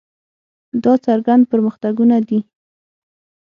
دا څرګند پرمختګونه دي.